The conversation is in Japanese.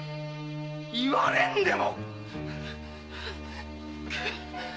言われんでも！